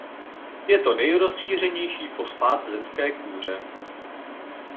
Je to nejrozšířenější fosfát v zemské kůře.